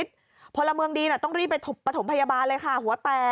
แต่กลิ่นมันมาแล้วไง